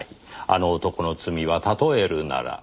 「あの男の罪は例えるなら杜鵑の罪だ」